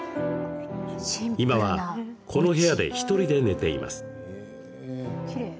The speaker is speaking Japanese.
今はこの部屋で１人で寝ています。